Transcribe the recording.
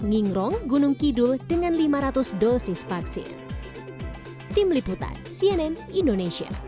ngingrong gunung kidul dengan lima ratus dosis vaksin